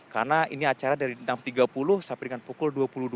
karena ini acara dari enam tiga puluh sampai dengan pukul dua puluh dua